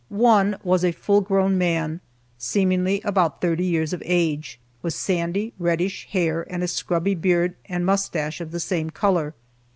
One was a full grown man, seemingly about thirty years of age, with sandy, reddish hair, and a scrubby beard and mustache of the same color.